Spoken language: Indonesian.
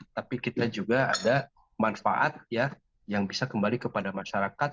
tapi kita juga ada manfaat yang bisa kembali kepada masyarakat